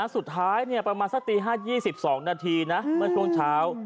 สุดท้ายประมาณสักตี๕๒๒นาทีนะเมื่อช่วงเช้า